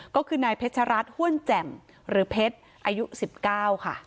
ก็คือนายเพชรัตนห้วนแจ่มหรือเพชรอายุ๑๙ค่ะ